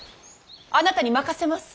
あなたに任せます。